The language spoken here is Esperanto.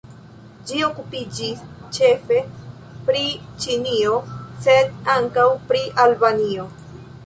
Ĝi okupiĝis ĉefe pri Ĉinio, sed ankaŭ pri Albanio.